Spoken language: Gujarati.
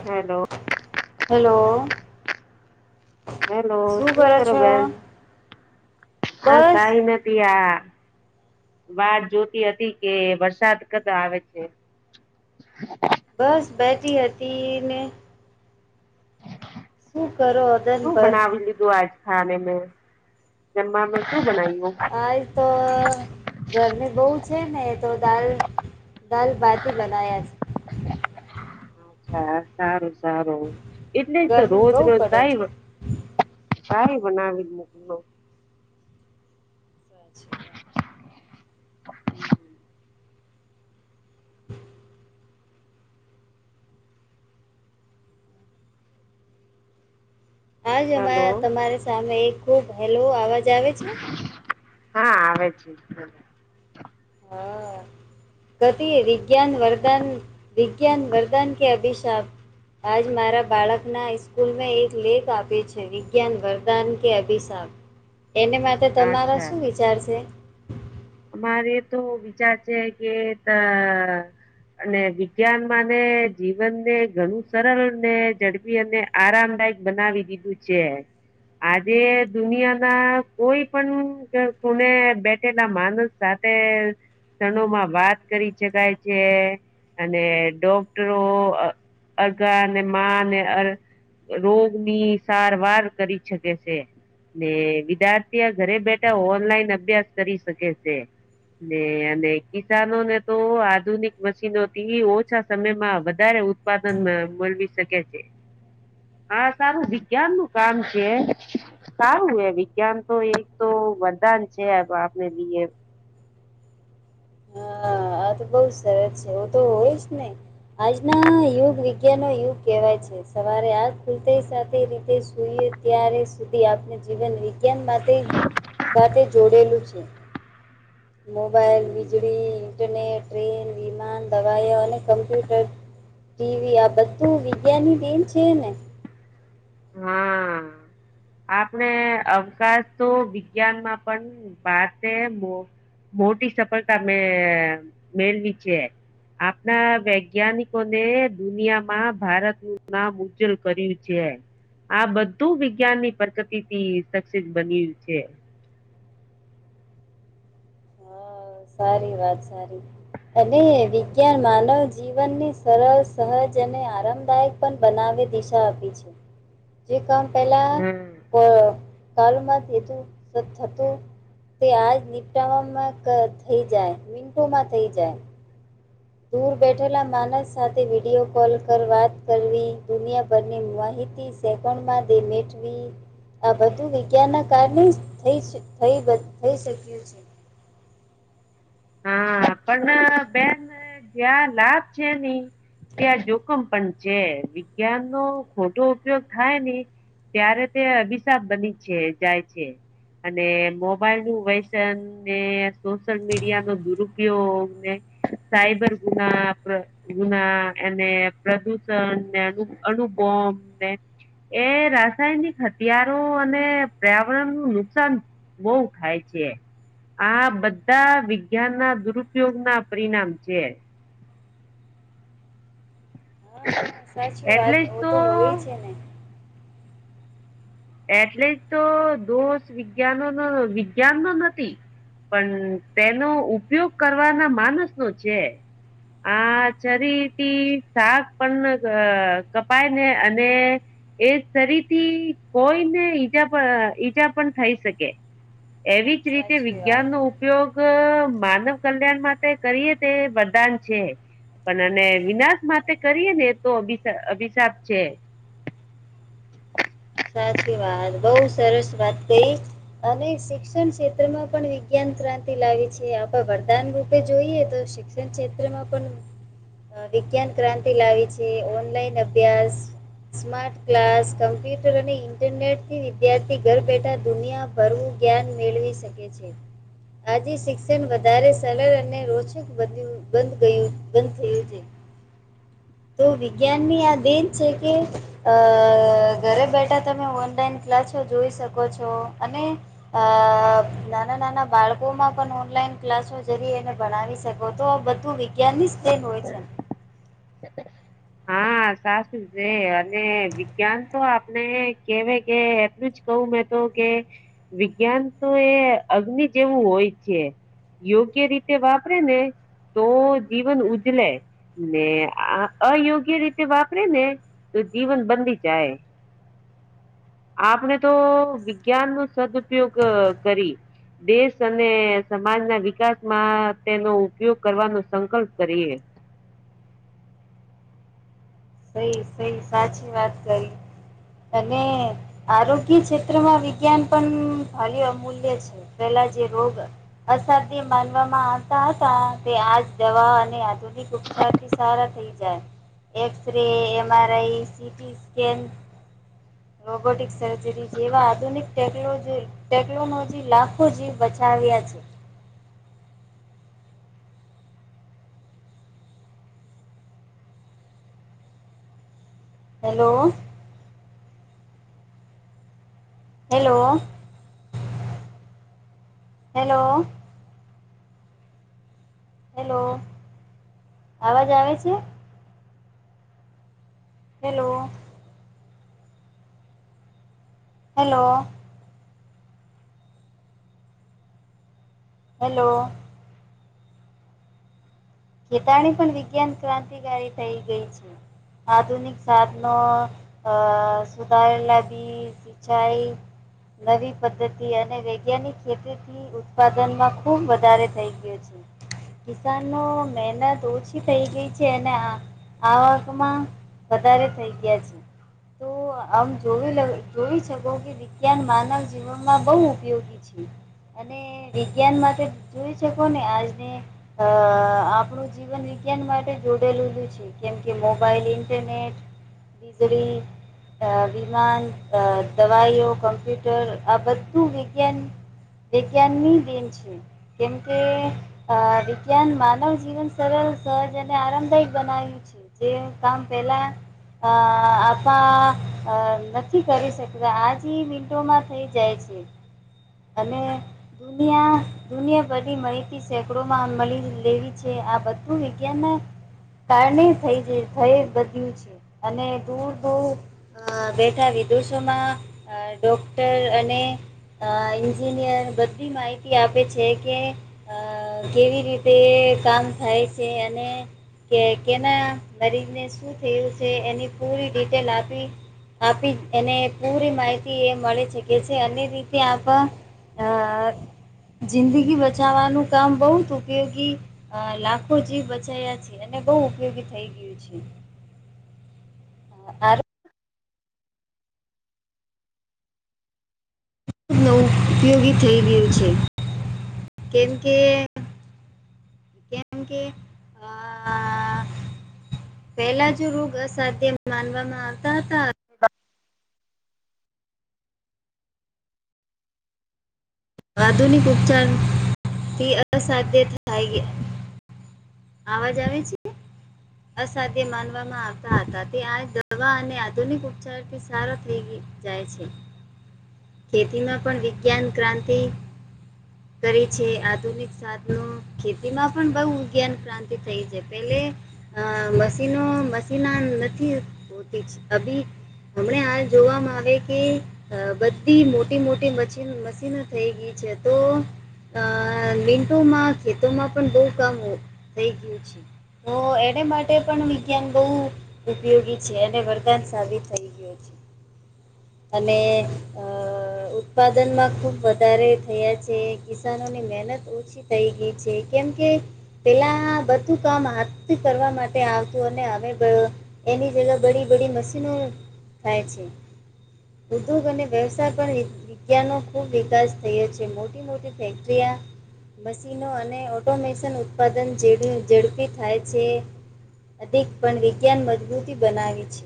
હલો હેલો હેલો શું કરો બેન હા બસ કઈ નથી આ વાત જોતી હતી કે વરસાદ કતો આવે છે. બસ બેઠી હતી ને શું કરો અદન શું પર બનાવી લીધું આજ ખાને મેં જમવા મે શું બનાવ્યું. દાલ તો ગરમી બહુ છે ને તો દાલ દાલ ભાતી બનાયા છે. અચ્છા સારું સારું એટલે જ તો ગરમી રોજ બહુ રોજ પડે છે કાય સારી બનાવી મૂક સાચી વાત [inaudible] આજમા હેલો તમારી સામે ખૂબ હેલો અવાજ આવે છે. હા આવે છે. હા ગતિ વિજ્ઞાન વરદાન વિજ્ઞાન વરદાન કે અભિશાપ આજ મારા બાળકના સ્કૂલમાં એક લેખ આપે છે વિજ્ઞાન વરદાન કે અભિશાપ. એને માટે તમારા અચ્છા શું વિચાર છે. અમારે તો વિચાર છે કે અ અને વિજ્ઞાન માને જીવન ને ઘણું સરળ ને ઝડપી અને આરામદાયક બનાવી દીધું છે. આજે દુનિયા ના કોઈ પણ કોને બેઠેલા માન સાથે કણોમાં વાત કરી શકાય છે અને ડોક્ટરો અરગા ને મા ને અર રોગ ની સારવાર કરી શકે છે. ને વિદ્યાર્થી ઘરે બેઠા ઓનલાઈન અભ્યાસ કરી શકે છે. ને અને કિસાનોને તો આધુનિક મશીનોથી ઓછા સમયમાં વધારે ઉત્પાદન મળવી શકે છે. હ હા સારું વિજ્ઞાન નું કામ છે. સારું એ વિજ્ઞાન તો એક તો બધા છે આપને બીએ હા તો બઉુ સરસ છે એવું તો હોય જ ને આજના યુગ વિજ્ઞા નો યુગ કેહેવાય છે. સવારે આ ખુલ સાથે રીતે સુઈએ ત્યારે સુધી આપને જીવન વિજ્ઞાન માટે સાથે જોડેલું છે. મોબાઈલ, વીજળી, ઇન્ટરનેટ, ટ્રેન, વિમાન, દવાઓ, અને કમ્પ્યુટર, ટીવી, આ બધું વિજ્ઞાાન ની દેન છે ને. હા [unintelligible] આપણે અવકાશ તો વિજ્ઞાનમાં પણ ભાતે બો મોટી સફળતા મે મેળવી છે. આપણા વૈજ્ઞાનિકોને દુનિયામાં ભારત નું નામ ઉજ્જવલ કર્યું છે. આ બધું વિજ્ઞાન ની પ્રકૃતિ થી શક્ષિત બન્યું છે. હા સારી વાત સારી. અને વિજ્ઞાન માનવ જીવનની સરળ, સહજ, અને આરામદાયક પન બનાવે દિશા આપી છે, જે કામ પેલા હમ અ કાલુમાં થતું થતું તે આજ નિનીપટાવામાં થઈ જાય મિનટોમાં થઈ જાય દૂર બેઠેલા માનસ સાથે વિડિયો કોલ પર વાત કરવી દુનિયાભરની માહિ તી સેકન્ડમાં મેટવી આ બધું વિજ્ઞાનના કારણે જ થઈ થઈ થઈ શક્યું છે. હા પણ બેન જ્યાં લાભ છે, ની ત્યાં જોખમ પણ છે, વિજ્ઞાન નો ખોટો ઉપયોગ થાય ને ત્યારે તે અભિશાપ બની છે, જાય છે. અને મોબાઈલ નું વેસન ને સોશિયલ મીડ યિઆનો દુરુપયોગને સાયબર ગુના આપડે ગુના અને પ્રદૂષણ ને અણુબોમ ને એ રાસાયણિક હથિયારો અને પર્યાવરણ નું નુકસાન બહુ થાય છે, આ બધા વી જ્ઞાન ના દુરુપયોગ ના પરિણામ છે. હા સાચી એટલે વાત જ હ તો હોય છે ને. એટલે જ તો દોષ વિજ્ઞાનનો વિજ્ઞાન નો નથી. પણ તેનો ઉપયોગ કરવાના માનસ નો છે. આ ચરીથી શાક પણ ગ કપાય ને અને એ સરીથી કોઈને ઈજા પ ઈજા પણ થઈ શકે એવી જ રીતે સાચી વાત. વિજ્ઞાન નો ઉપયોગ માનવ કલ્યાણ માટે કરીએ તે વરદાન છે. પણ અને વિ સાચી વાત બહુ સરસ વાત કઈ અને શિક્ષણ ક્ષેત્રમાં પણ વિજ્ઞાન ક્રાંતિ લાવી છે, આપણે વરદાન રૂપે જોઈએ તો એ ક્ષેત્રમાં પણ વિજ્ઞાન ક્રાંતિ લાવી છે, ઓનલાઈન અભ્યાસ સ્માર્ટ ક્લાસ કમ્પ્યુ ટર અને ઇન્ટરનેટથી વિદ્યાર્થી ઘર બેઠા દુનિયાભરવું જ્ઞાન મેળવી શકે છે. આજે શિક્ષણ વધારે સરળ અને રોચક બન્યું બંધ ગયું તો વિજ્ઞાનની આ દેન છે. ઘરે બેઠા તમે ઓનલાઈન ક્લાસો જોઈ શકો છો, અને અ. નાના ના ઓ તો બધું વિજ્ઞાન ની જ દેન હોય છે. હા સાચું છે, અને વિજ્ઞાન તો આપણે કેવા કે એટલું જ કહું મે તો કે વિજ્ઞાન તો એ અગ્નિ જેવું હોય છે. યોગ્ય રીતે વાપરે ને તો જી વાપરે ને તો જીવન બંધી ચાય. આપણે તો વિજ્ઞાન નો સદપયોગ કરી દેશ અને સમાજના વિકાસમાં તેનો ઉપયોગ કરવાનો સંકલ્પ કરીએ. સઈ સહી સાચી વાત કરી. અને આરોગ્ય ક્ષેત્રમાં વિજ્ઞાન પણ ભાલી અમૂલ્ય છે. પહેલા જે રોગ અસરથી માનવામાં આવતા હતા. તે આજ દવા અને આધુનિક ઉપચારથી સારા થઈ જાય. X ray, M. R. I, CT scan robotic surgery જેવા આધુનિક ટેકલોજેય ટેકલોનોજી લાખો જીવ બચાવ્યા છે. હેલો. હેલો... હલો... હેલો અવાજ આવે છે. Hello hello. હેલો! ખેતાણી પણ વિજ્ઞાન ક્રાંતિકારી થઇ ગઈ છે. આધુનિક સાધનો અ.. સુધારેલા બીજ ચાય નવી પદ્ધતિ અને વૈજ્ઞાનિક ખેતીથી ઉત્પાદનમાં ખૂબ વધારે થઈ ગયો છે. કિસાનો મહેનત ઓછી થઇ ગઈ છે, ને આ આ વાક માં વધારે થઈ ગયા છે. તો આમ જોવીલમ જોઈ શકો કે વિજ્ઞાન માનવ જીવનમાં બહુ ઉપયોગી છે. અને વિજ્ઞાન માટે જોઈ ચકો ને આજને અ.. આપ આપણું જીવન વિજ્ઞાન માટે જોડેડેલેલુ છે, કેમ કે મોબાઈલ ઇન્ટરનેટ વીજળી અ વિમાન, દવાઈઓ, કમ્પ્યુટર આ બધું વિજ્ઞાન વિજ્ઞાન ની દેન છે, કેમ કે આ વિજ્ઞાન માનવ [inaudible] જીવન સરલ સહજ અને આરામદાયક બનાવ્યું છે. જે કામ પેલા અ.. આપા નથી કરી શકતા. આજ ઈ મિનટોમાં થઈ જાય [unintelligible] અને દુનિયા દુનિયા બધી મહિતી સેંકડોમાં મળી લેવી જે આ બધું વિજ્ઞાન ના કારણે થય જ થય બધ્યું છે. અને દૂર - દૂર અ બેઠા વિદુષોમાં ડોક્ટર અને અ... એન્જિનિયર બધી માહિતી આપે છે, કે અ... કેવી રીતે કામ થાય છે, અને કે કેના મરીજને શું થયું છે, એની પૂરી ડિટેલ આપી આપી એને પૂરી માહિતી એ મળી શકે છે, અને રીતે આપ અ... જિંદગી બચાવવાનું કામ બહુ જ ઉપયોગી અ લાખો જીવ બચાયા છે અને બહુ ઉપયોગી થઈ ગયું છે હ ખ ન ઉપયોગી થઈ ગયું છે કેમ કે એ એમ કે આ પેલા જો રોગ અસાધ્ય માનવામાં આવતા હતા આધુનિક ઉપચારથી અસાધ્ય થાય અવાજ આવે છે અસાધ્ય માનવામાં આવતા હતા ત્યા આ દવા અને આધુનિક ઉપચાર સારો થ જાય છે ખેતીમાં પણ વિજ્ઞાન ક્રાંતિ તે કરી છે આધુનિક સાધનો ખેતીમાં પણ બહુગ્ઞાન ક્રાંતિ થઈ છે પેલે અ મશીનો મશીના નથી હોતી અભી હમણા હાલ જોવામાં આવે કે બધી મોટી મોટી મશીન મશીન થઈ ગય છે તું અ લીંન્ટોમાં ખેતોમાં પણ બહુ કામ થઈ ગયું છે હ એને માટે પણ વિજ્ઞાન બઉ ઉપયોગી છે અને વરદાન સાબિત થઈ ગયું છે અને ઉત્પાદનમાં ખુબ વધારે થયા છે કિસાનોની મહેનત ઓછી થઈ ગઈ છે કેમ કે પેલા બધું કામ હાથ કરવા માટે આવતું અને હવે એની જગ્યા બડી બડી મશીનો થાય છે ઉદ્યોગ અને વ્યવસાય પણ વિજ્ઞનોો ખૂબ વિકાસ થયો છે મોટી મોટી ફેક્ટરીિયા મશીનો અને ઓટોમેશન ઉત્પાદનડ ઝડપી થાય છે અધિક પણ વિજ્ઞાન મજબૂતી બનાવે છે